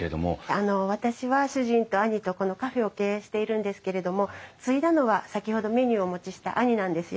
私は主人と兄とこのカフェを経営しているんですけれども継いだのは先ほどメニューをお持ちした兄なんですよ。